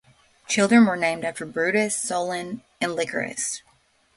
Children were named after Brutus, Solon and Lycurgus.